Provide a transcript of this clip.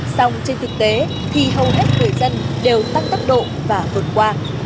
xong trên thực tế thì hầu hết người dân đều tăng tốc độ và vượt qua